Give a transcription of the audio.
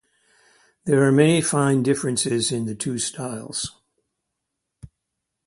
There are many fine differences in the two styles.